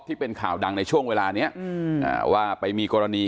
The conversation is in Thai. ที่เป็นข่าวดังในช่วงเวลานี้ว่าไปมีกรณี